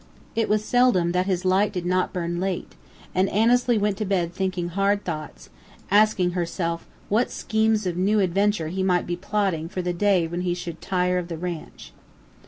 It was seldom that his light did not burn late, and Annesley went to bed thinking hard thoughts, asking herself what schemes of new adventure he might be plotting for the day when he should tire of the ranch.